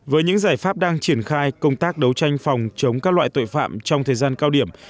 với những giải pháp đang triển khai công tác đấu tranh phòng chống các loại tội phạm trong thời gian cao điểm